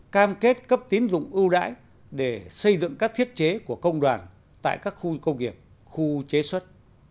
cam kết cấp tín dụng ưu đãi để xây dựng các thiết chế của công đoàn tại các khu công nghiệp khu chế xuất